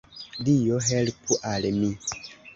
Dio, helpu al mi!